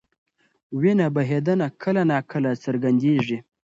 وینه بهېدنه کله ناکله څرګندېږي.